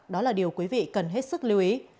đó là điều quý vị cần hết sức lưu ý